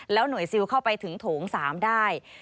หน่วยซิลเข้าไปถึงโถง๓ได้